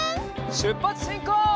しゅっぱつしんこう！